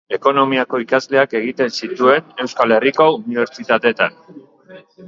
Ekonomiako ikasketak egin zituen Euskal Herriko Unibertsitatean.